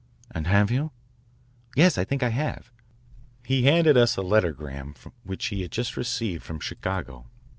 "And have you? "Yes, I think I have." He handed us a lettergram which he had just received from Chicago.